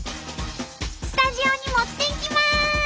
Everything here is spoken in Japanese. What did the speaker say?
スタジオに持っていきます！